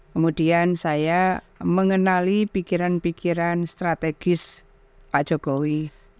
kemudian saya mengenali pikiran pikiran strategis pak jokowi